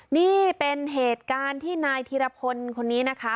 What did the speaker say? นี่เป็นเหตุการณ์ที่นายธีรพลคนนี้นะคะ